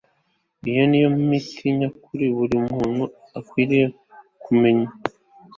iyi ni yo miti nyakuri Buri muntu akwiriye kumenya